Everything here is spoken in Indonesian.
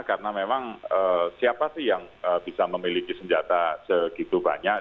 karena memang siapa sih yang bisa memiliki senjata segitu banyak